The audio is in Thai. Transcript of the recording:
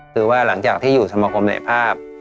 คือว่าหลังจากที่อยู่สมคมในภาพ